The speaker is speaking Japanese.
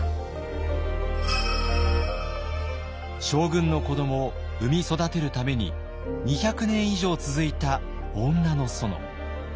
将軍の子どもを産み育てるために２００年以上続いた女の園。